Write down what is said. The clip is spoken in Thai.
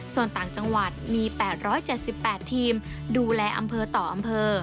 ส่วนต่างจังหวัดมี๘๗๘ทีมดูแลอำเภอต่ออำเภอ